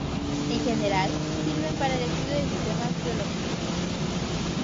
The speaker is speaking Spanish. En general sirven para el estudio de sistemas biológicos.